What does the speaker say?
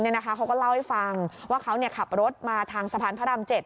เขาก็เล่าให้ฟังว่าเขาขับรถมาทางสะพานพระราม๗